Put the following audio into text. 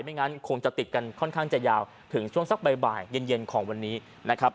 งั้นคงจะติดกันค่อนข้างจะยาวถึงช่วงสักบ่ายเย็นของวันนี้นะครับ